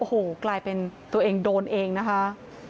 โอ้โหกลายเป็นตัวเองโดนเองนะคะ